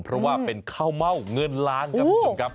เพราะว่าเป็นข้าวเม่าเงินล้านครับคุณผู้ชมครับ